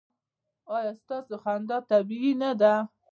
ایا ستاسو خندا طبیعي نه ده؟